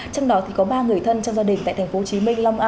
trong đó có ba người thân trong gia đình tại tp hcm